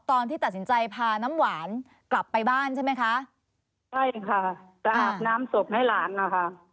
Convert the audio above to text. ตอนที่ตัดสินใจพาน้ำหวานกลับไปบ้านใช่ไหมคะใช่ค่ะจะอาบน้ำศพให้หลานนะคะ